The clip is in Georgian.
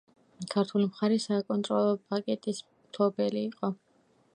ქართული მხარე საკონტროლო პაკეტის მფლობელი იყო.